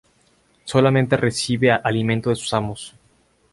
Solamente recibe alimento de sus amos.